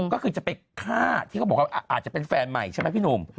ก็คือจะไปฆ่าที่เขาบอกว่าอาจจะเป็นแฟนใหม่ใช่ไหมพี่หนุ่ม